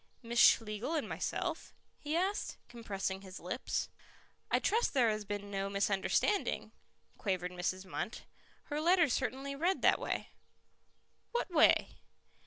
"Miss Schlegel and myself." he asked, compressing his lips. "I trust there has been no misunderstanding," quavered Mrs. Munt. "Her letter certainly read that way." "What way?"